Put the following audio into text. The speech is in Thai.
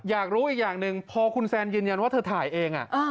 อยากรู้อีกอย่างหนึ่งพอคุณแซนยืนยันว่าเธอถ่ายเอง